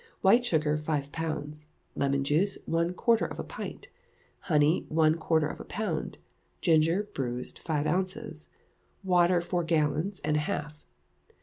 White sugar, five pounds; lemon juice, one quarter of a pint; honey, one quarter of a pound; ginger, bruised, five ounces; water, four gallons and a half.